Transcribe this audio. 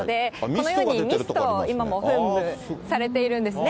このようにミストが噴霧されているんですね。